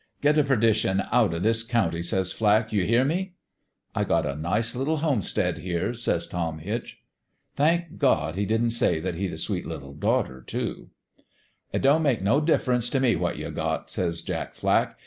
"' Get t' perdition out o' this county !' says Flack. ' You hear me ?'"' I got a nice little homestead here,' says Tom Hitch. 228 What HAPPENED to TOM HITCH " Thank God, he didn't say that he'd a sweet little daughter, too !"' It don't make no difference t' me what you got,' says Jack Flack.